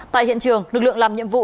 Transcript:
tại hiện trường lực lượng làm nhiệm vụ